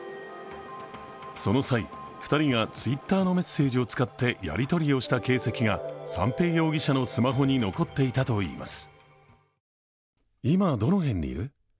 その際、２人がＴｗｉｔｔｅｒのメッセージを使ってやりとりをした形跡が三瓶容疑者のスマホに残っていたといいます。